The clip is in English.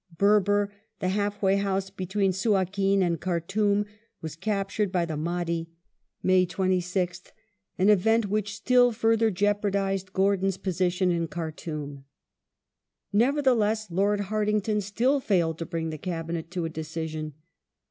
^ Berber, the half way house between Suakim and Khartoum, was captured by the Mahdi (May 26th) — an event which still further jeopardized Gordon's position in Khartoum. Nevertheless, Lord Hartington still failed to bring the Cabinet to a decision.